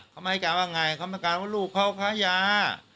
เขามาให้การว่าไงเขาให้การว่าลูกเขาค้ายา